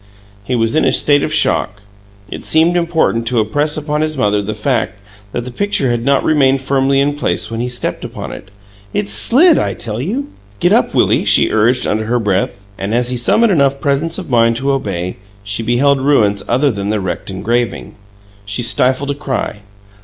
He was in a state of shock: it seemed important to impress upon his mother the fact that the picture had not remained firmly in place when he stepped upon it. "It SLID, I tell you!" "Get up, Willie!" she urged, under her breath, and as he summoned enough presence of mind to obey, she beheld ruins other than the wrecked engraving. She stifled a cry.